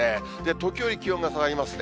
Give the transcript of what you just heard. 時折、気温が下がりますね。